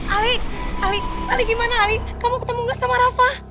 ali ali gimana ali kamu ketemu gak sama rafa